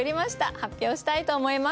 発表したいと思います。